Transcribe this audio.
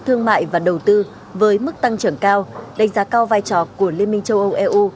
thương mại và đầu tư với mức tăng trưởng cao đánh giá cao vai trò của liên minh châu âu eu